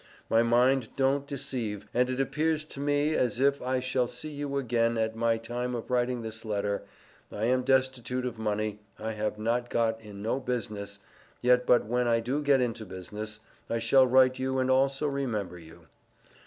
My mind dont deceive and it appears to me as if I shall see you again at my time of writing this letter I am desitute of money I have not got in no business yet but when I do get into business I shall write you and also remember you.